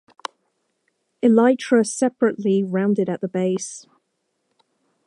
Elytra separately rounded at the base.